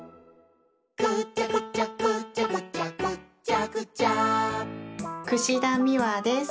「ぐちゃぐちゃぐちゃぐちゃぐっちゃぐちゃ」田美和です。